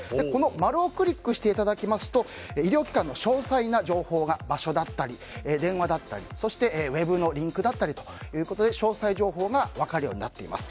丸をクリックしていただきますと医療機関の詳細な場所や電話だったり、そしてウェブのリンクだったりということで詳細情報が分かるようになっています。